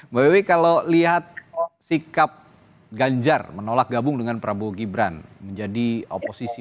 mbak bewi kalau lihat sikap ganjar menolak gabung dengan prabowo gibran menjadi oposisi